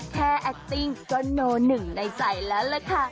แค่แอคติ้งก็โน่นึงในใจแล้วแหละค่ะ